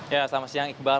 ya selamat siang iqbal